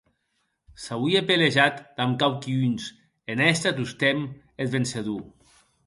S’auie pelejat damb quauqui uns, en èster tostemp eth vencedor.